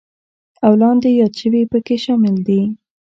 او لاندې یاد شوي پکې شامل دي: